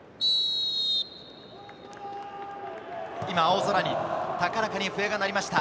今青空に高らかに笛が鳴りました。